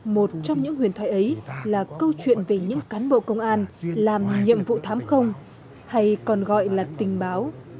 một trong những huyền thoại ấy là câu chuyện về những cán bộ công an làm nhiệm vụ thám không hay còn gọi là tình báo